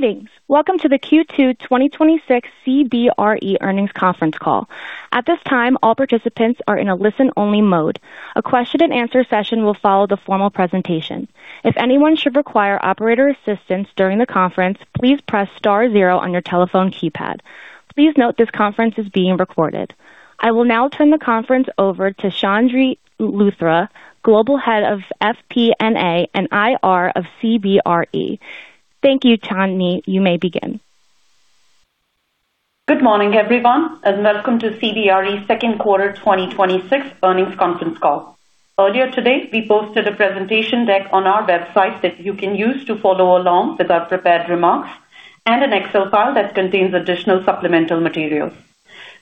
Greetings. Welcome to the Q2 2026 CBRE Earnings Conference Call. At this time, all participants are in a listen-only mode. A question-and-answer session will follow the formal presentation. If anyone should require operator assistance during the conference, please press star zero on your telephone keypad. Please note this conference is being recorded. I will now turn the conference over to Chandni Luthra, Global Head of FP&A and IR of CBRE. Thank you, Chandni. You may begin. Good morning, everyone, and welcome to CBRE's second quarter 2026 earnings conference call. Earlier today, we posted a presentation deck on our website that you can use to follow along with our prepared remarks and an Excel file that contains additional supplemental materials.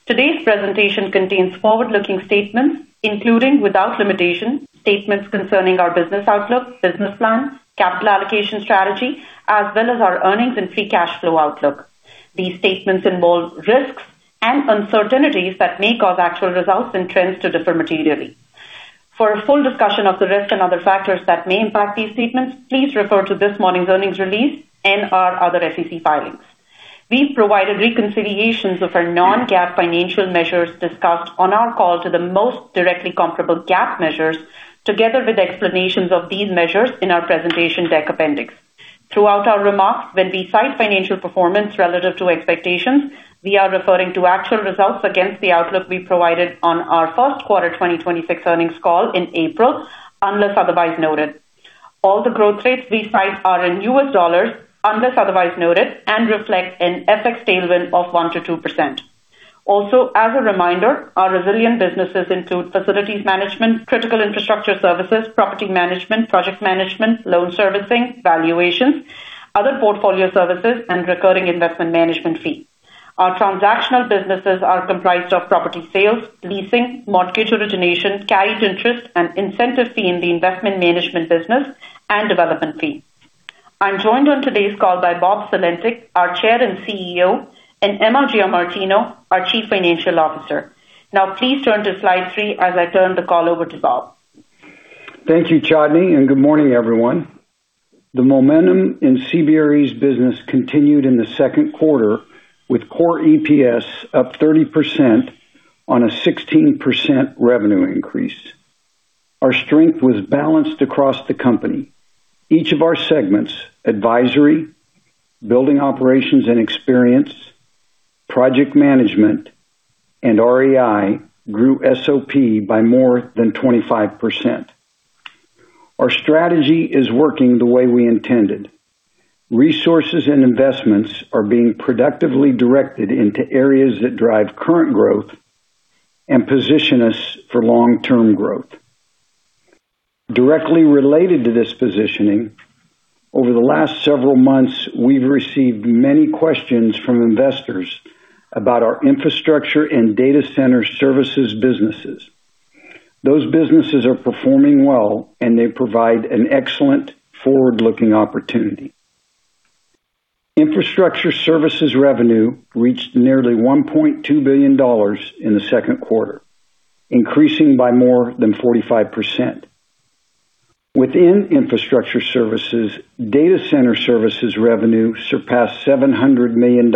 Today's presentation contains forward-looking statements, including without limitation, statements concerning our business outlook, business plans, capital allocation strategy, as well as our earnings and free cash flow outlook. These statements involve risks and uncertainties that may cause actual results and trends to differ materially. For a full discussion of the risks and other factors that may impact these statements, please refer to this morning's earnings release and our other SEC filings. We've provided reconciliations of our non-GAAP financial measures discussed on our call to the most directly comparable GAAP measures, together with explanations of these measures in our presentation deck appendix. Throughout our remarks, when we cite financial performance relative to expectations, we are referring to actual results against the outlook we provided on our first quarter 2026 earnings call in April, unless otherwise noted. All the growth rates we cite are in U.S. dollars, unless otherwise noted, and reflect an FX tailwind of 1%-2%. Also, as a reminder, our Resilient businesses include facilities management, critical infrastructure services, property management, project management, loan servicing, valuations, other portfolio services, and recurring investment management fees. Our transactional businesses are comprised of property sales, leasing, mortgage origination, carried interest, and incentive fee in the investment management business and development fee. I'm joined on today's call by Bob Sulentic, our Chair and CEO, and Emma Giamartino, our Chief Financial Officer. Now, please turn to slide three as I turn the call over to Bob. Thank you, Chandni, and good morning, everyone. The momentum in CBRE's business continued in the second quarter with Core EPS up 30% on a 16% revenue increase. Our strength was balanced across the company. Each of our segments, Advisory, Building Operations & Experience, Project Management, and REI, grew SOP by more than 25%. Our strategy is working the way we intended. Resources and investments are being productively directed into areas that drive current growth and position us for long-term growth. Directly related to this positioning, over the last several months, we've received many questions from investors about our Infrastructure and Data Center Services businesses. Those businesses are performing well, and they provide an excellent forward-looking opportunity. Infrastructure Services revenue reached nearly $1.2 billion in the second quarter, increasing by more than 45%. Within Infrastructure Services, Data Center Services revenue surpassed $700 million,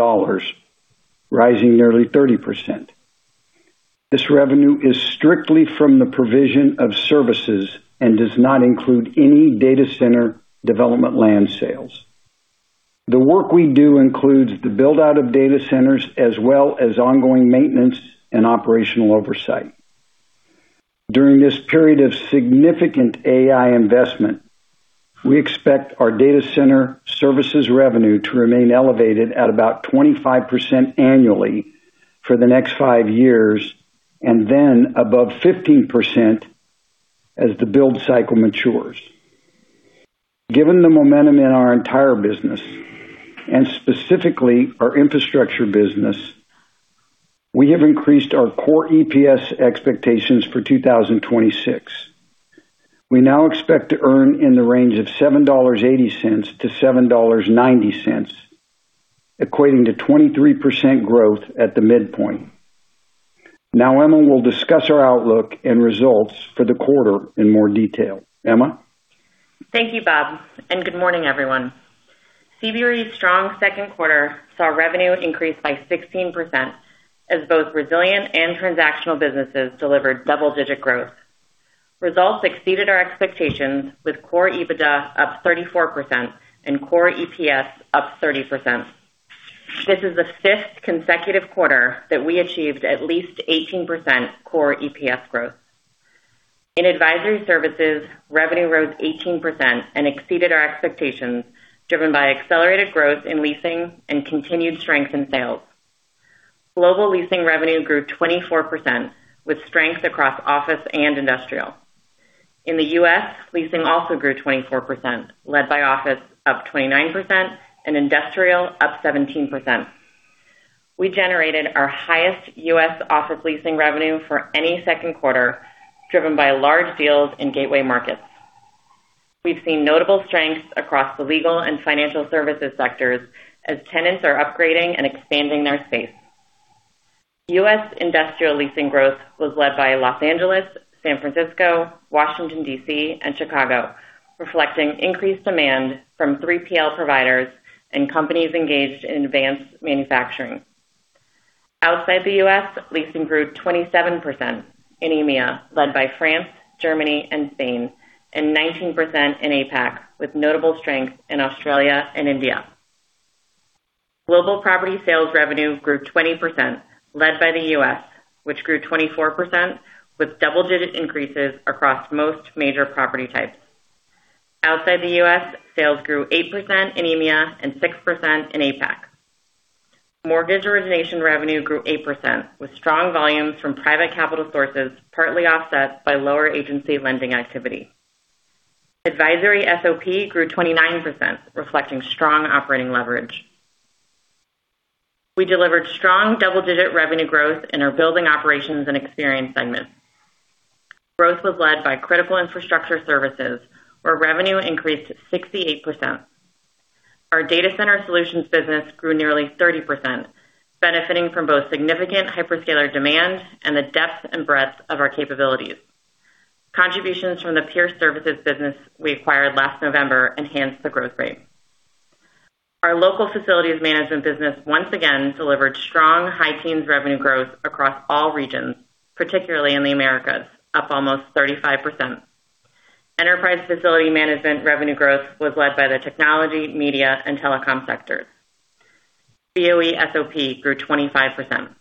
rising nearly 30%. This revenue is strictly from the provision of services and does not include any data center development land sales. The work we do includes the build-out of data centers as well as ongoing maintenance and operational oversight. During this period of significant AI investment, we expect our Data Center Services revenue to remain elevated at about 25% annually for the next five years, then above 15% as the build cycle matures. Given the momentum in our entire business and specifically our Infrastructure business, we have increased our Core EPS expectations for 2026. We now expect to earn in the range of $7.80-$7.90, equating to 23% growth at the midpoint. Emma will discuss our outlook and results for the quarter in more detail. Emma? Thank you, Bob, and good morning, everyone. CBRE's strong second quarter saw revenue increase by 16%, as both Resilient and Transactional businesses delivered double-digit growth. Results exceeded our expectations, with Core EBITDA up 34% and Core EPS up 30%. This is the fifth consecutive quarter that we achieved at least 18% Core EPS growth. In Advisory Services, revenue rose 18% and exceeded our expectations, driven by accelerated growth in leasing and continued strength in sales. Global leasing revenue grew 24%, with strength across office and industrial. In the U.S., leasing also grew 24%, led by office, up 29%, and industrial, up 17%. We generated our highest U.S. office leasing revenue for any second quarter, driven by large deals in gateway markets. We've seen notable strengths across the legal and financial services sectors as tenants are upgrading and expanding their space. U.S. industrial leasing growth was led by Los Angeles, San Francisco, Washington D.C., and Chicago, reflecting increased demand from 3PL providers and companies engaged in advanced manufacturing. Outside the U.S., leasing grew 27% in EMEA, led by France, Germany, and Spain, and 19% in APAC, with notable strength in Australia and India. Global property sales revenue grew 20%, led by the U.S., which grew 24%, with double-digit increases across most major property types. Outside the U.S., sales grew 8% in EMEA and 6% in APAC. Mortgage origination revenue grew 8%, with strong volumes from private capital sources partly offset by lower agency lending activity. Advisory SOP grew 29%, reflecting strong operating leverage. We delivered strong double-digit revenue growth in our Building Operations & Experience segments. Growth was led by Critical Infrastructure Services, where revenue increased 68%. Our Data Center Solutions business grew nearly 30%, benefiting from both significant hyperscaler demand and the depth and breadth of our capabilities. Contributions from the Pearce Services business we acquired last November enhanced the growth rate. Our local Facilities Management business once again delivered strong high teens revenue growth across all regions, particularly in the Americas, up almost 35%. Enterprise Facilities Management revenue growth was led by the technology, media, and telecom sectors. BOE SOP grew 25%.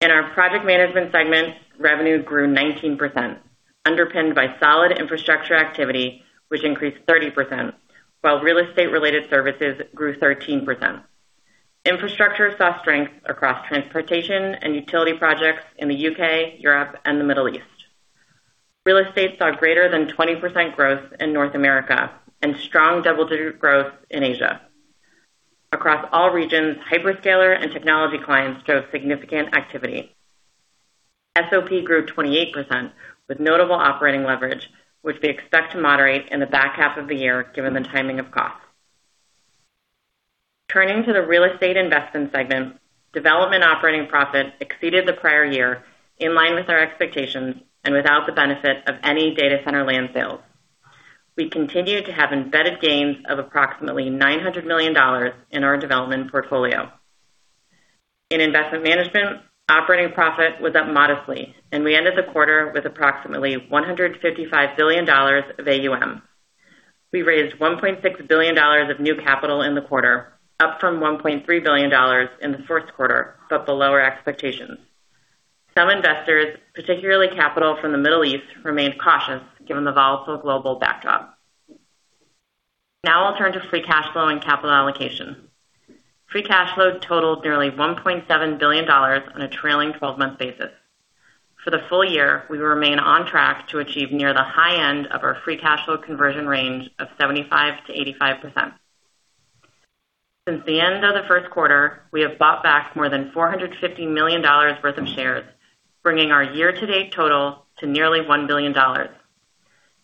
In our Project Management segment, revenue grew 19%, underpinned by solid Infrastructure activity, which increased 30%, while real estate related services grew 13%. Infrastructure saw strength across transportation and utility projects in the U.K., Europe, and the Middle East. Real estate saw greater than 20% growth in North America and strong double-digit growth in Asia. Across all regions, hyperscaler and technology clients showed significant activity. SOP grew 28% with notable operating leverage, which we expect to moderate in the back half of the year given the timing of costs. Turning to the Real Estate Investment segment, development operating profit exceeded the prior year in line with our expectations and without the benefit of any data center land sales. We continue to have embedded gains of approximately $900 million in our development portfolio. In Investment Management, operating profit was up modestly, and we ended the quarter with approximately $155 billion of AUM. We raised $1.6 billion of new capital in the quarter, up from $1.3 billion in the first quarter, but below our expectations. Some investors, particularly capital from the Middle East, remained cautious given the volatile global backdrop. I'll turn to free cash flow and capital allocation. Free cash flow totaled nearly $1.7 billion on a trailing 12-month basis. For the full year, we remain on track to achieve near the high end of our free cash flow conversion range of 75%-85%. Since the end of the first quarter, we have bought back more than $450 million worth of shares, bringing our year-to-date total to nearly $1 billion.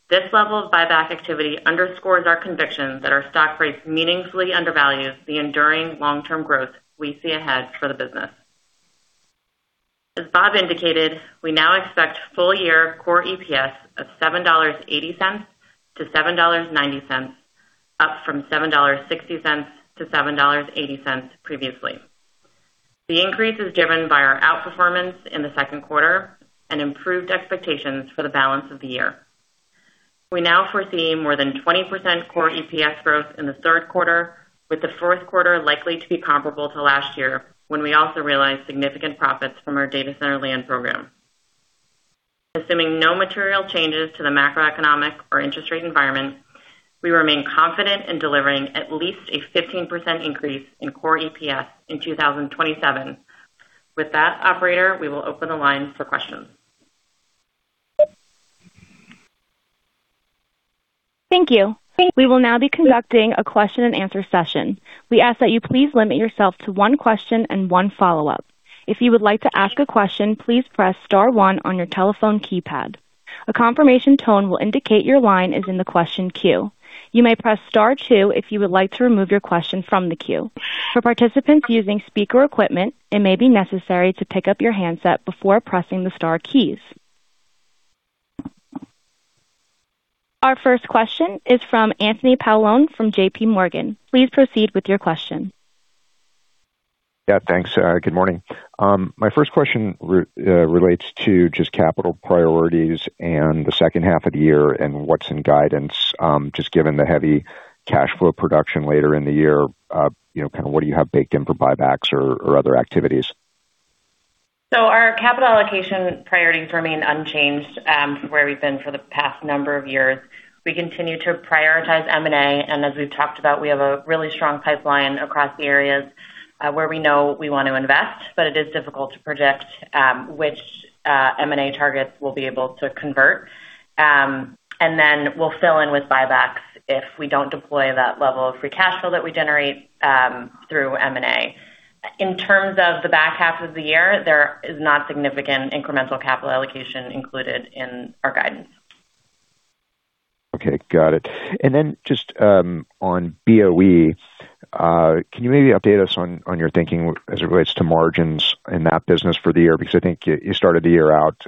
This level of buyback activity underscores our conviction that our stock price meaningfully undervalues the enduring long-term growth we see ahead for the business. As Bob indicated, we now expect full year Core EPS of $7.80-$7.90, up from $7.60-$7.80 previously. The increase is driven by our outperformance in the second quarter and improved expectations for the balance of the year. We foresee more than 20% Core EPS growth in the third quarter, with the fourth quarter likely to be comparable to last year, when we also realized significant profits from our data center land program. Assuming no material changes to the macroeconomic or interest rate environment, we remain confident in delivering at least a 15% increase in Core EPS in 2027. With that operator, we will open the line for questions. Thank you. We will now be conducting a question-and-answer session. We ask that you please limit yourself to one question and one follow-up. If you would like to ask a question, please press star one on your telephone keypad. A confirmation tone will indicate your line is in the question queue. You may press star two if you would like to remove your question from the queue. For participants using speaker equipment, it may be necessary to pick up your handset before pressing the star keys. Our first question is from Anthony Paolone from JPMorgan. Please proceed with your question. Yeah, thanks. Good morning. My first question relates to just capital priorities and the second half of the year and what's in guidance. Just given the heavy cash flow production later in the year, what do you have baked in for buybacks or other activities? Our capital allocation priorities remain unchanged from where we've been for the past number of years. We continue to prioritize M&A, and as we've talked about, we have a really strong pipeline across the areas where we know we want to invest, but it is difficult to project which M&A targets we'll be able to convert. We'll fill in with buybacks if we don't deploy that level of free cash flow that we generate through M&A. In terms of the back half of the year, there is not significant incremental capital allocation included in our guidance. Okay, got it. Just on BOE, can you maybe update us on your thinking as it relates to margins in that business for the year? I think you started the year out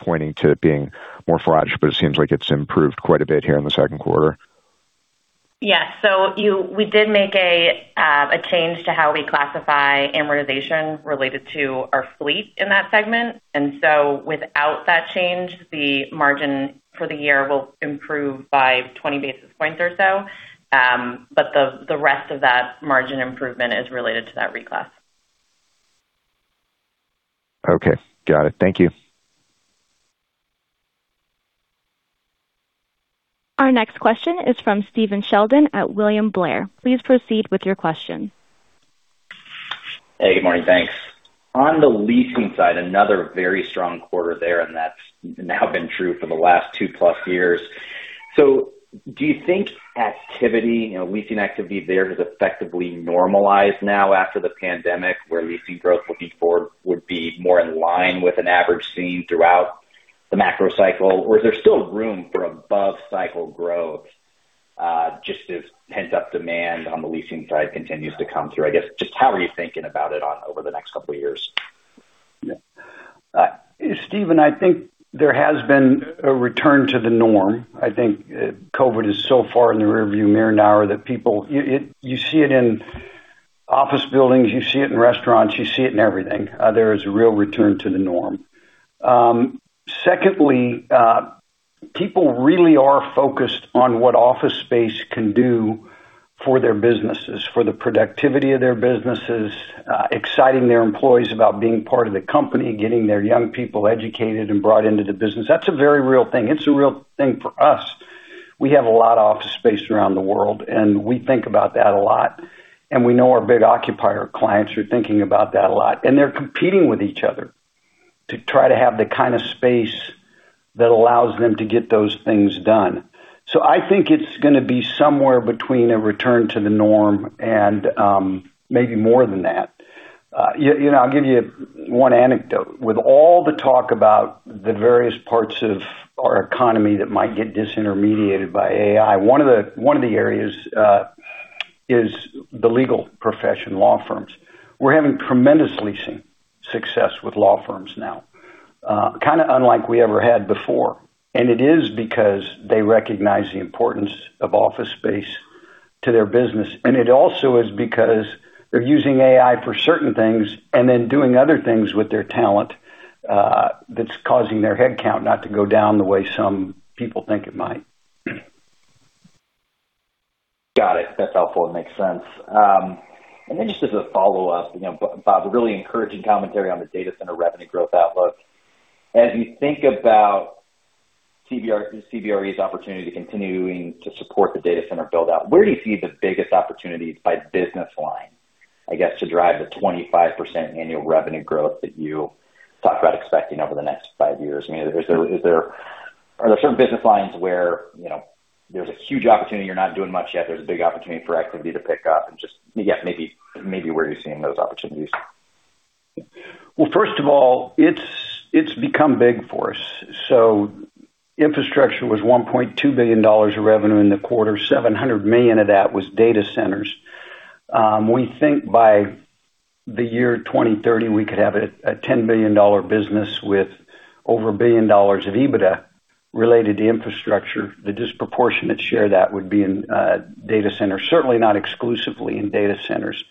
pointing to it being more fragile, but it seems like it's improved quite a bit here in the second quarter. We did make a change to how we classify amortization related to our fleet in that segment. Without that change, the margin for the year will improve by 20 basis points or so. The rest of that margin improvement is related to that reclass. Okay, got it. Thank you. Our next question is from Stephen Sheldon at William Blair. Please proceed with your question. Hey, good morning. Thanks. On the leasing side, another very strong quarter there, and that's now been true for the last 2+ years. Do you think leasing activity there has effectively normalized now after the pandemic, where leasing growth looking forward would be more in line with an average seen throughout the macro cycle? Is there still room for above cycle growth, just as pent-up demand on the leasing side continues to come through? I guess, just how are you thinking about it over the next couple of years? Stephen, I think there has been a return to the norm. I think COVID is so far in the rear-view mirror now that You see it in office buildings, you see it in restaurants, you see it in everything. There is a real return to the norm. Secondly, people really are focused on what office space can do for their businesses, for the productivity of their businesses, exciting their employees about being part of the company, getting their young people educated and brought into the business. That's a very real thing. It's a real thing for us. We have a lot of office space around the world, we think about that a lot. We know our big occupier clients are thinking about that a lot, and they're competing with each other to try to have the kind of space that allows them to get those things done. I think it's going to be somewhere between a return to the norm and maybe more than that. I'll give you one anecdote. With all the talk about the various parts of our economy that might get disintermediated by AI, one of the areas is the legal profession, law firms. We're having tremendous leasing success with law firms now, kind of unlike we ever had before. It is because they recognize the importance of office space to their business. It also is because they're using AI for certain things and then doing other things with their talent that's causing their headcount not to go down the way some people think it might. Got it. That's helpful. It makes sense. Then just as a follow-up, Bob, really encouraging commentary on the data center revenue growth outlook. As you think about CBRE's opportunity to continuing to support the data center build-out, where do you see the biggest opportunities by business line, I guess, to drive the 25% annual revenue growth that you talked about expecting over the next five years? Are there certain business lines where there's a huge opportunity, you're not doing much yet, there's a big opportunity for activity to pick up? Just, yeah, maybe where are you seeing those opportunities? First of all, it's become big for us. Infrastructure was $1.2 billion of revenue in the quarter, $700 million of that was data centers. We think by the year 2030, we could have a $10 billion business with over $1 billion of EBITDA related to Infrastructure. The disproportionate share that would be in data centers, certainly not exclusively in data centers.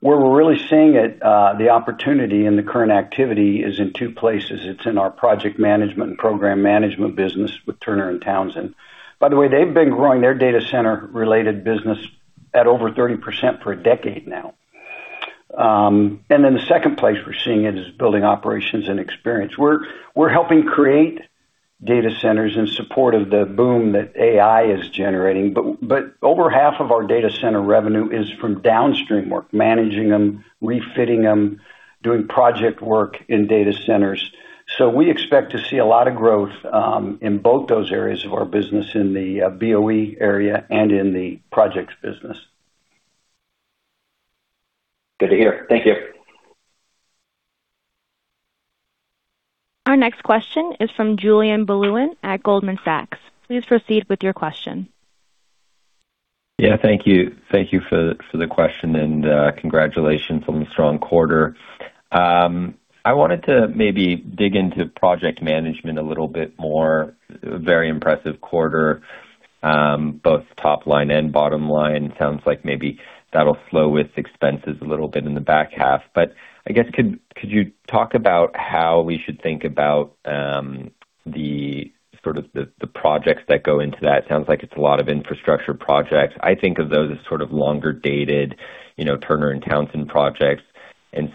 Where we're really seeing it, the opportunity in the current activity is in two places. It's in our Project Management & Program Management business with Turner & Townsend. By the way, they've been growing their data center related business at over 30% for a decade now. Then the second place we're seeing it is Building Operations & Experience, where we're helping create data centers in support of the boom that AI is generating. Over half of our data center revenue is from downstream work, managing them, refitting them, doing project work in data centers. We expect to see a lot of growth in both those areas of our business in the BOE area and in the projects business. Good to hear. Thank you. Our next question is from Julien Blouin at Goldman Sachs. Please proceed with your question. Yeah, thank you. Thank you for the question, and congratulations on the strong quarter. I wanted to maybe dig into Project Management a little bit more. Very impressive quarter. Both top line and bottom line. Sounds like maybe that'll flow with expenses a little bit in the back half. I guess, could you talk about how we should think about the projects that go into that? It sounds like it's a lot of infrastructure projects. I think of those as sort of longer dated Turner & Townsend projects. Is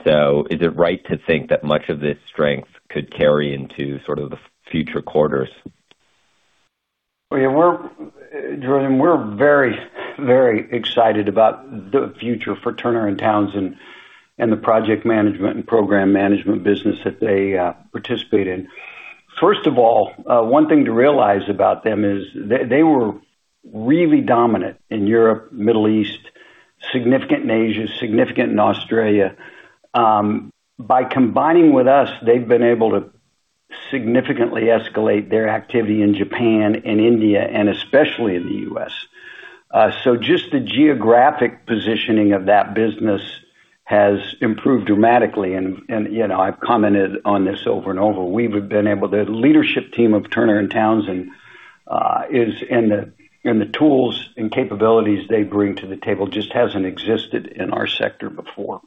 it right to think that much of this strength could carry into the future quarters? Yeah. Julien, we're very, very excited about the future for Turner & Townsend and the Project Management & Program Management business that they participate in. First of all, one thing to realize about them is they were really dominant in Europe, Middle East significant in Asia, significant in Australia. By combining with us, they've been able to significantly escalate their activity in Japan and India, and especially in the U.S. Just the geographic positioning of that business has improved dramatically. I've commented on this over and over. The leadership team of Turner & Townsend and the tools and capabilities they bring to the table just hasn't existed in our sector before.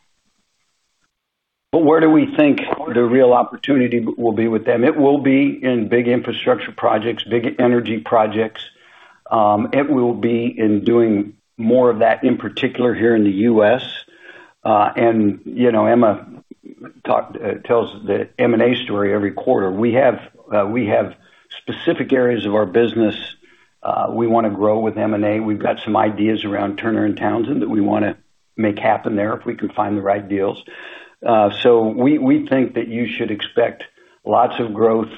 Where do we think the real opportunity will be with them? It will be in big infrastructure projects, big energy projects. It will be in doing more of that, in particular, here in the U.S. Emma tells the M&A story every quarter. We have specific areas of our business we want to grow with M&A. We've got some ideas around Turner & Townsend that we want to make happen there if we could find the right deals. We think that you should expect lots of growth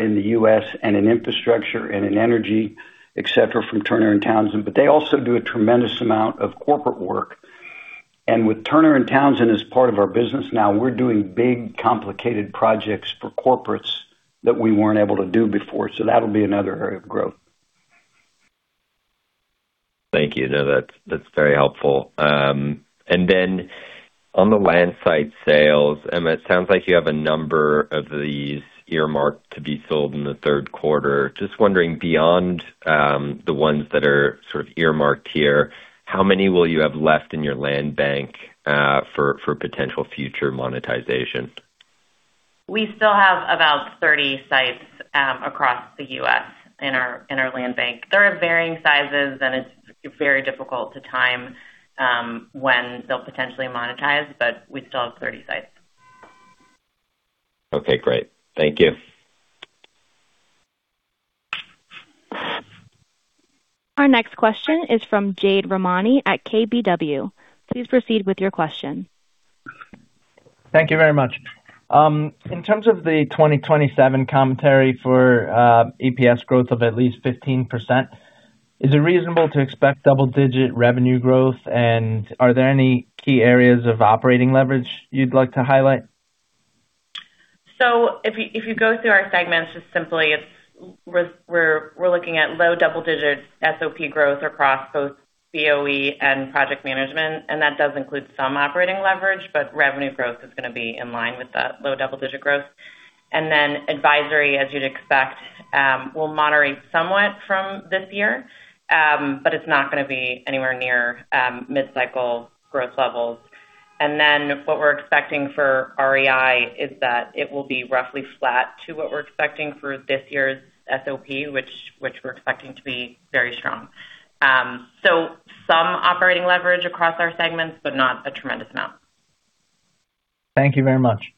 in the U.S. and in infrastructure and in energy, et cetera, from Turner & Townsend. They also do a tremendous amount of corporate work. With Turner & Townsend as part of our business now, we're doing big, complicated projects for corporates that we weren't able to do before. That'll be another area of growth. Thank you. No, that's very helpful. On the land site sales, Emma, it sounds like you have a number of these earmarked to be sold in the third quarter. Just wondering, beyond the ones that are sort of earmarked here, how many will you have left in your land bank for potential future monetization? We still have about 30 sites across the U.S. in our land bank. They're of varying sizes, and it's very difficult to time when they'll potentially monetize, but we still have 30 sites. Okay, great. Thank you. Our next question is from Jade Rahmani at KBW. Please proceed with your question. Thank you very much. In terms of the 2027 commentary for EPS growth of at least 15%, is it reasonable to expect double-digit revenue growth? Are there any key areas of operating leverage you'd like to highlight? If you go through our segments, just simply, we're looking at low double-digit SOP growth across both BOE and Project Management. That does include some operating leverage, but revenue growth is going to be in line with that low double-digit growth. Advisory, as you'd expect, will moderate somewhat from this year, but it's not going to be anywhere near mid-cycle growth levels. What we're expecting for REI is that it will be roughly flat to what we're expecting for this year's SOP, which we're expecting to be very strong. Some operating leverage across our segments, but not a tremendous amount. Thank you very much.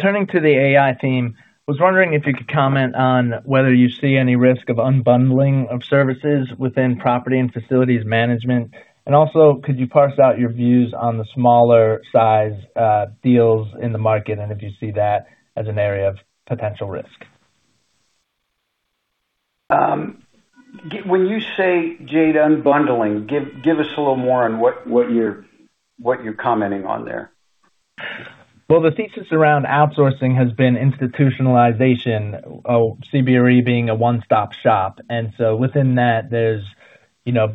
Turning to the AI theme, I was wondering if you could comment on whether you see any risk of unbundling of services within Property and Facilities Management. Also, could you parse out your views on the smaller size deals in the market and if you see that as an area of potential risk? When you say, Jade, unbundling, give us a little more on what you're commenting on there. Well, the thesis around outsourcing has been institutionalization of CBRE being a one-stop shop. Within that, there's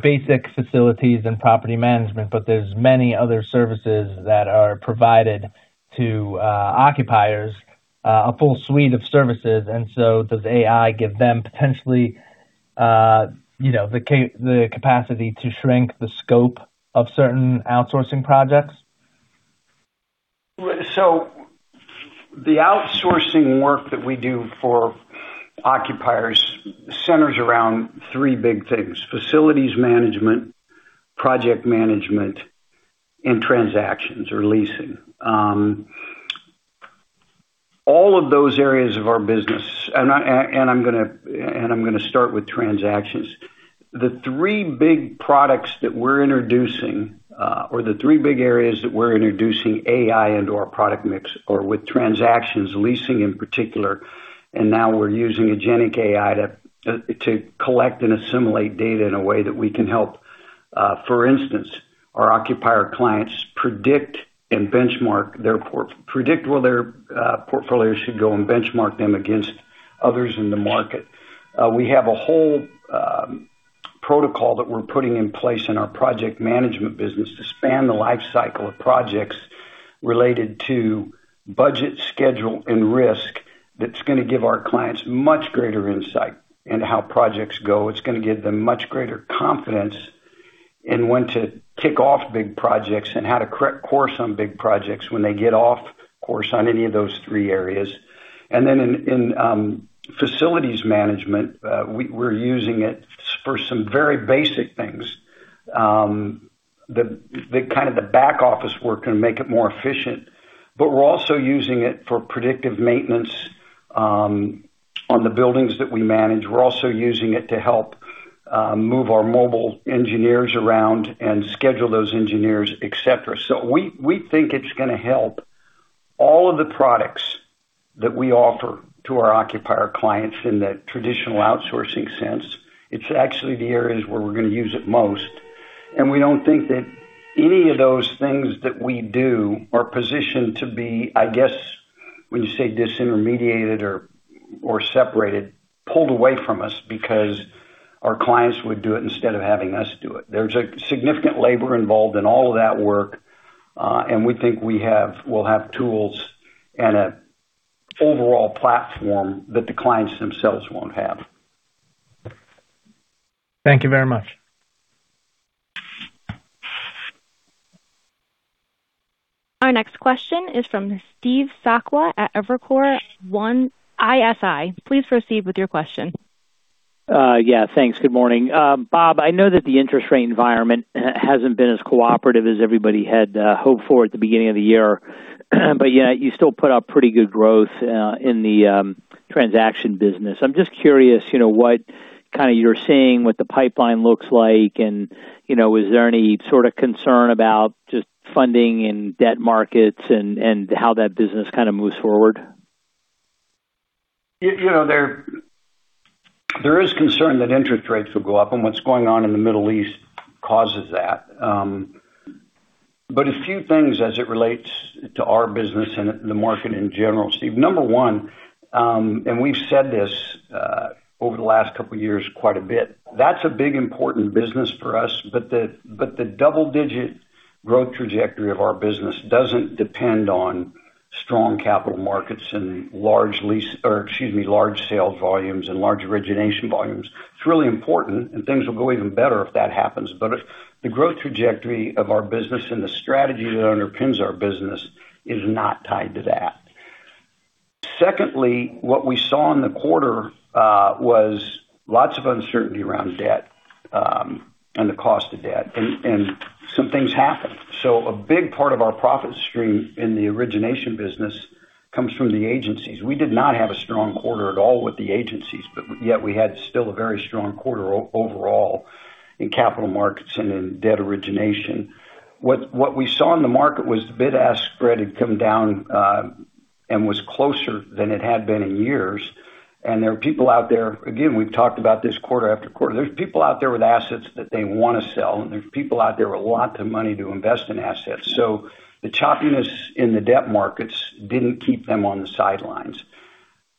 basic Facilities Management and Property Management, but there's many other services that are provided to occupiers, a full suite of services. Does AI give them potentially the capacity to shrink the scope of certain outsourcing projects? The outsourcing work that we do for occupiers centers around three big things: facilities management, project management, and transactions or leasing. All of those areas of our business, and I'm going to start with transactions. The three big products that we're introducing or the three big areas that we're introducing AI into our product mix are with transactions, leasing in particular. Now we're using agentic AI to collect and assimilate data in a way that we can help, for instance, our occupier clients predict where their portfolio should go and benchmark them against others in the market. We have a whole protocol that we're putting in place in our Project Management business to span the life cycle of projects related to budget, schedule, and risk that's going to give our clients much greater insight into how projects go. It's going to give them much greater confidence in when to kick off big projects and how to correct course on big projects when they get off course on any of those three areas. In Facilities Management, we're using it for some very basic things, the kind of the back office work and make it more efficient. We're also using it for predictive maintenance on the buildings that we manage. We're also using it to help move our mobile engineers around and schedule those engineers, et cetera. We think it's going to help all of the products that we offer to our occupier clients in the traditional outsourcing sense. It's actually the areas where we're going to use it most, and we don't think that any of those things that we do are positioned to be, I guess, when you say disintermediated or separated, pulled away from us because our clients would do it instead of having us do it. There's a significant labor involved in all of that work. We think we'll have tools and an overall platform that the clients themselves won't have. Thank you very much. Our next question is from Steve Sakwa at Evercore ISI. Please proceed with your question. Yeah, thanks. Good morning. Bob, I know that the interest rate environment hasn't been as cooperative as everybody had hoped for at the beginning of the year. Yet you still put up pretty good growth in the Transaction business. I'm just curious, what you're seeing, what the pipeline looks like, and is there any sort of concern about just funding and debt markets and how that business kind of moves forward? There is concern that interest rates will go up, what's going on in the Middle East causes that. A few things as it relates to our business and the market in general, Steve. Number one, we've said this over the last couple of years quite a bit. That's a big, important business for us. The double-digit growth trajectory of our business doesn't depend on strong capital markets and large sales volumes and large origination volumes. It's really important, and things will go even better if that happens. The growth trajectory of our business and the strategy that underpins our business is not tied to that. Secondly, what we saw in the quarter was lots of uncertainty around debt and the cost of debt, some things happened. A big part of our profit stream in the origination business comes from the agencies. We did not have a strong quarter at all with the agencies, but yet we had still a very strong quarter overall in capital markets and in debt origination. What we saw in the market was the bid-ask spread had come down and was closer than it had been in years, there were people out there. Again, we've talked about this quarter after quarter. There's people out there with assets that they want to sell, there's people out there with lots of money to invest in assets. The choppiness in the debt markets didn't keep them on the sidelines.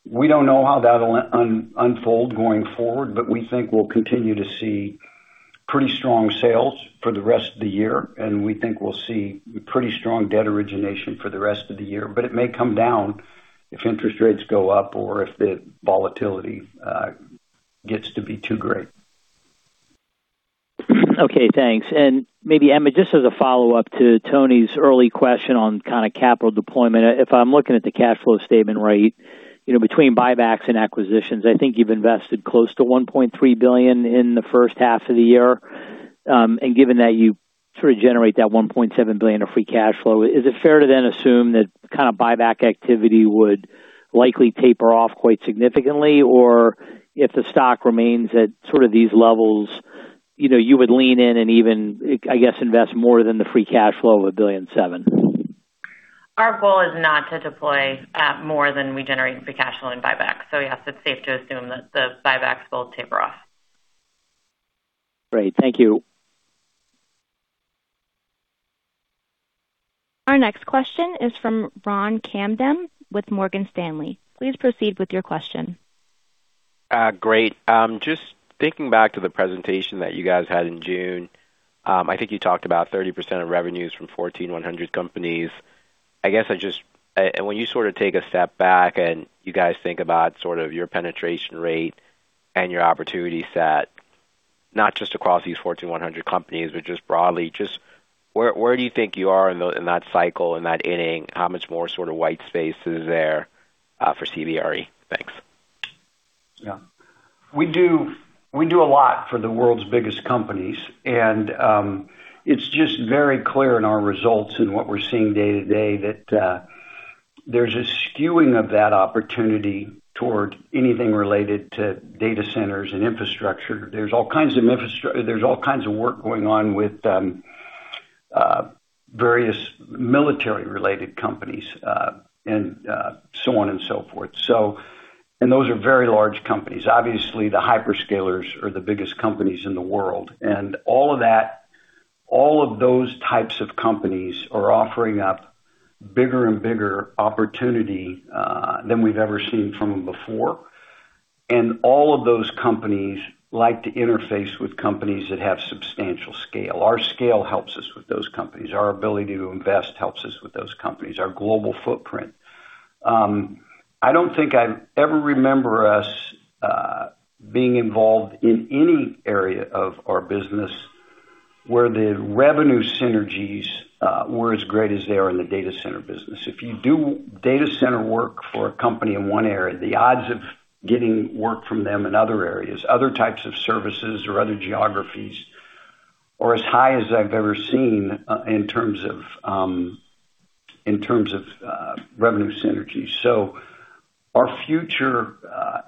We don't know how that'll unfold going forward, we think we'll continue to see pretty strong sales for the rest of the year, we think we'll see pretty strong debt origination for the rest of the year. It may come down if interest rates go up or if the volatility gets to be too great. Okay, thanks. Maybe, Emma, just as a follow-up to Tony's early question on kind of capital deployment. If I'm looking at the cash flow statement right, between buybacks and acquisitions, I think you've invested close to $1.3 billion in the first half of the year. Given that you sort of generate that $1.7 billion of free cash flow, is it fair to then assume that kind of buyback activity would likely taper off quite significantly? If the stock remains at sort of these levels, you would lean in and even, I guess, invest more than the free cash flow of $1.7 billion? Our goal is not to deploy more than we generate in free cash flow in buybacks. Yes, it's safe to assume that the buybacks will taper off. Great. Thank you. Our next question is from Ron Kamdem with Morgan Stanley. Please proceed with your question. Great. Thinking back to the presentation that you guys had in June. I think you talked about 30% of revenues from Fortune 100 companies. When you sort of take a step back and you guys think about sort of your penetration rate and your opportunity set, not just across these Fortune 100 companies, but just broadly, where do you think you are in that cycle and that inning? How much more sort of white space is there for CBRE? Thanks. Yeah. It's just very clear in our results and what we're seeing day to day that there's a skewing of that opportunity toward anything related to data centers and infrastructure. There's all kind of work going on with them, various military related companies, so on and so forth. Those are very large companies. Obviously, the hyperscalers are the biggest companies in the world. All of that, all of those types of companies are offering up bigger and bigger opportunity than we've ever seen from them before. All of those companies like to interface with companies that have substantial scale. Our scale helps us with those companies. Our ability to invest helps us with those companies, our global footprint. I don't think I ever remember us being involved in any area of our business where the revenue synergies were as great as they are in the Data Center business. If you do data center work for a company in one area, the odds of getting work from them in other areas, other types of services or other geographies are as high as I've ever seen in terms of revenue synergy. Our future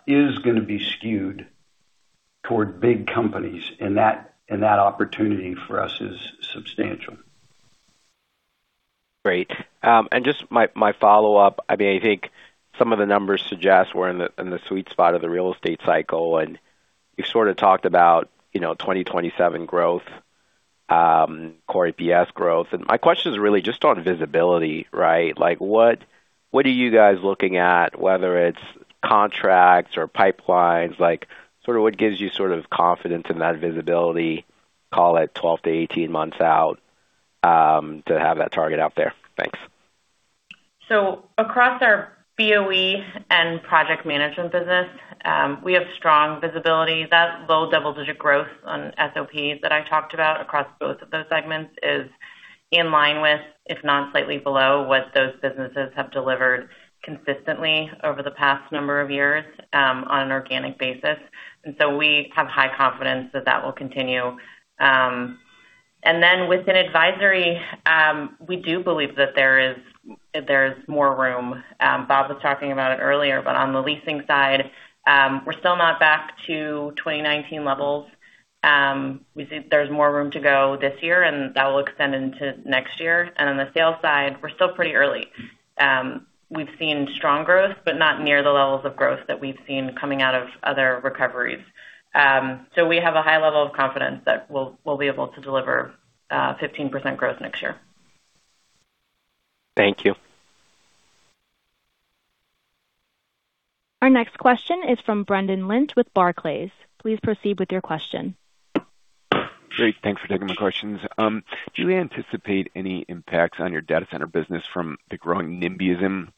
is going to be skewed toward big companies. That opportunity for us is substantial. Great. Just my follow-up, I think some of the numbers suggest we're in the sweet spot of the real estate cycle. You sort of talked about 2027 growth, Core EPS growth. My question is really just on visibility, right? What are you guys looking at, whether it's contracts or pipelines, what gives you confidence in that visibility, call it 12-18 months out, to have that target out there? Thanks. Across our BOE and Project Management business, we have strong visibility. That low double-digit growth on SOPs that I talked about across both of those segments is in line with, if not slightly below, what those businesses have delivered consistently over the past number of years on an organic basis. We have high confidence that that will continue. Within Advisory, we do believe that there is more room. Bob was talking about it earlier, but on the leasing side, we're still not back to 2019 levels. We think there's more room to go this year. That will extend into next year. On the sales side, we're still pretty early. We've seen strong growth, but not near the levels of growth that we've seen coming out of other recoveries. We have a high level of confidence that we'll be able to deliver 15% growth next year. Thank you. Our next question is from Brendan Lynch with Barclays. Please proceed with your question. Great. Thanks for taking my questions. Do you anticipate any impacts on your Data Center business from the growing NIMBYism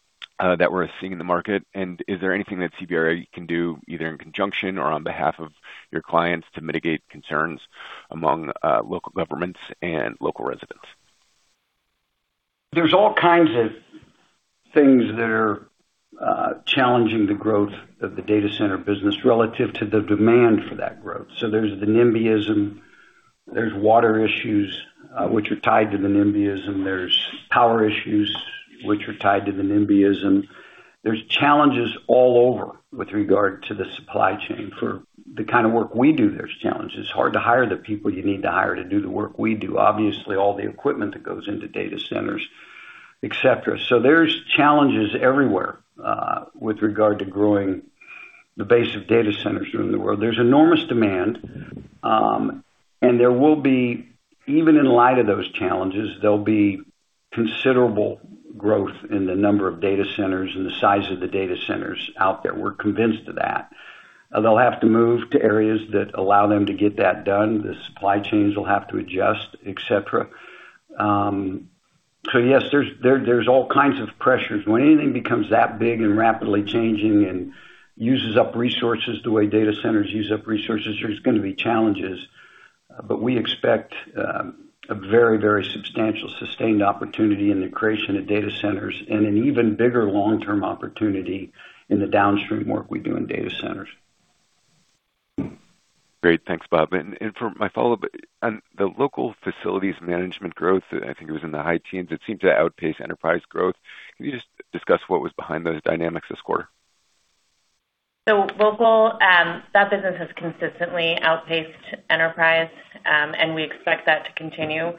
that we're seeing in the market? Is there anything that CBRE can do, either in conjunction or on behalf of your clients, to mitigate concerns among local governments and local residents? There's all kinds of things that are challenging the growth of the data center business relative to the demand for that growth. There's the NIMBYism. There's water issues, which are tied to the NIMBYism. There's power issues, which are tied to the NIMBYism. There's challenges all over with regard to the supply chain. For the kind of work we do, there's challenges. It's hard to hire the people you need to hire to do the work we do. Obviously, all the equipment that goes into data centers, et cetera. There's challenges everywhere with regard to growing the base of data centers around the world. There's enormous demand. There will be, even in light of those challenges, there'll be considerable growth in the number of data centers and the size of the data centers out there. We're convinced of that. They'll have to move to areas that allow them to get that done. The supply chains will have to adjust, et cetera. Yes, there's all kinds of pressures. When anything becomes that big and rapidly changing and uses up resources the way data centers use up resources, there's going to be challenges. We expect a very, very substantial, sustained opportunity in the creation of data centers and an even bigger long-term opportunity in the downstream work we do in data centers. Great. Thanks, Bob. For my follow-up, on the local Facilities Management growth, I think it was in the high teens, it seemed to outpace enterprise growth. Can you just discuss what was behind those dynamics this quarter? Local, that business has consistently outpaced enterprise, and we expect that to continue.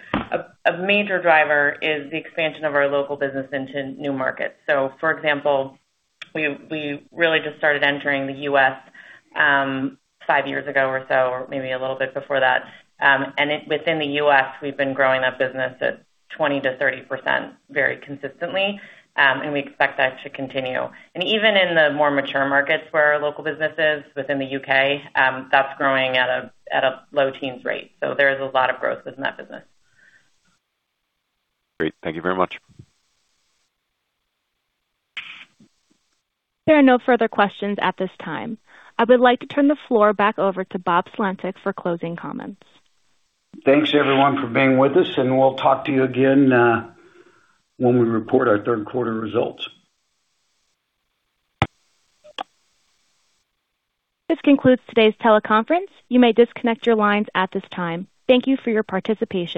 A major driver is the expansion of our local business into new markets. For example, we really just started entering the U.S. five years ago or so, or maybe a little bit before that. Within the U.S., we've been growing that business at 20%-30% very consistently, and we expect that to continue. Even in the more mature markets where our local business is within the U.K., that's growing at a low-teens rate. There is a lot of growth within that business. Great. Thank you very much. There are no further questions at this time. I would like to turn the floor back over to Bob Sulentic for closing comments. Thanks, everyone, for being with us, and we'll talk to you again when we report our third quarter results. This concludes today's teleconference. You may disconnect your lines at this time. Thank you for your participation.